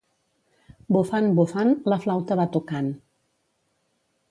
Bufant, bufant, la flauta va tocant.